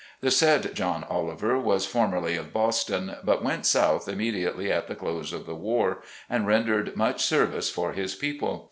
The said John Oliver was formerly of Boston, but went South immediately at the close of the war, and ren dered much service for his people.